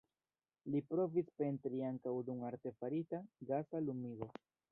Li provis pentri ankaŭ dum artefarita, gasa lumigo.